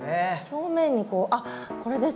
表面にこうあっこれですね。